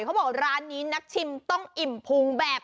เขาบอกร้านนี้นักชิมต้องอิ่มพุงแบบ